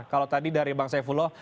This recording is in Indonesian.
kalau tadi dari bangsa evolo